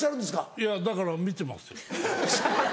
いやだから見てますよ。